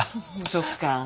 そっか。